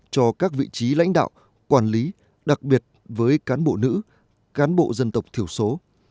cho các vị trí lãnh đạo quản lý đặc biệt với cán bộ nữ cán bộ dân tộc thiểu số